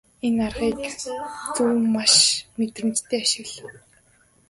Энэ аргыг зөв газар маш мэдрэмжтэй ашигла.